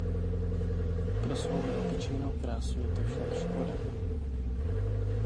Pro svou neobyčejnou krásu je to však škoda.